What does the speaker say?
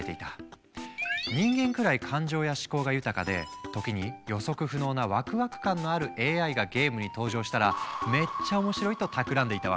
人間くらい感情や思考が豊かで時に予測不能なワクワク感のあるＡＩがゲームに登場したらめっちゃ面白いとたくらんでいたわけ。